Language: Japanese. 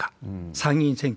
参議院選挙。